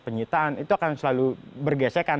penyitaan itu akan selalu bergesekan